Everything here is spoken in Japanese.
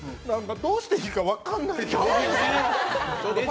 どうしていいか分かんない。